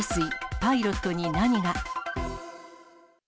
パイロットに何が？